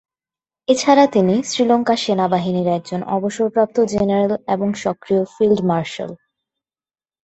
এছাড়া তিনি শ্রীলঙ্কা সেনাবাহিনীর একজন অবসরপ্রাপ্ত জেনারেল এবং সক্রিয় ফিল্ড মার্শাল।